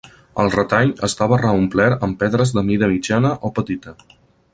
El retall estava reomplert amb pedres de mida mitjana o petita.